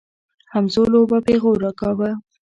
همزولو به پيغور راکاوه.